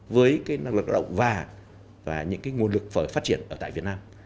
với năng lực động và những nguồn lực phở phát triển ở tại việt nam